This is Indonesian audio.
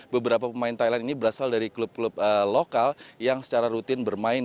beberapa pemain thailand ini berasal dari klub klub lokal yang secara rutin bermain